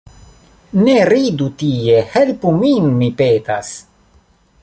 Ne ridu tie, helpu min, mi petas!